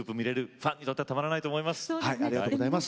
ファンにとってはたまらないと思います。